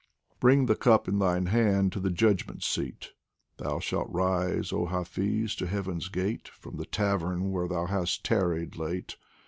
Bring the cup in thine hand to the Judgment seat ; Thou shalt rise, oh Hafiz, to Heaven's gate From the tavern where thou hast tarried late.